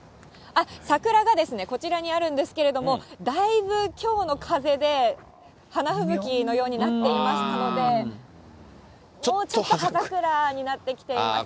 桜がこちらにあるんですけれども、だいぶきょうの風で花吹雪のようになっていましたので、もうちょっと葉桜になってきていますかね。